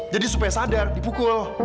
jadi supaya sadar dipukul